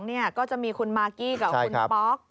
ชุดที่๒ก็จะมีคุณมากกี้กับคุณป๊อก